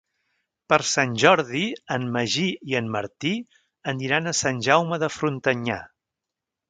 Per Sant Jordi en Magí i en Martí aniran a Sant Jaume de Frontanyà.